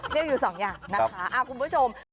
เรียกอยู่สองอย่างนะคะคุณผู้ชม